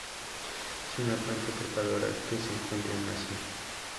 Es una planta trepadora que se encuentra en Asia.